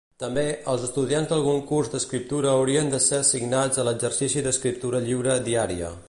També, els estudiants d'algun curs d'escriptura haurien de ser assignats a l'exercici d'escriptura lliure diària.